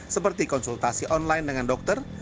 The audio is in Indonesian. seperti konsultasi online dengan dokter